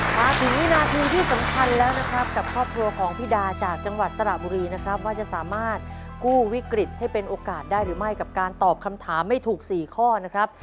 มาถึงวินาทีที่สำคัญแล้วนะครับกับครอบครัวของพี่ดาจากจังหวัดสระบุรีนะครับว่าจะสามารถกู้วิกฤตให้เป็นโอกาสได้หรือไม่กับการตอบคำถามให้ถูก๔ข้อนะครับ